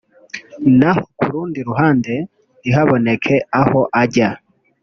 naho kurundi ruhande ntihaboneke aho ajya